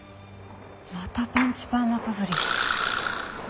またパンチパーマかぶり。